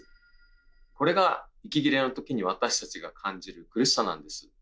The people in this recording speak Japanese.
これが息切れのときに私たちが感じる苦しさなんです。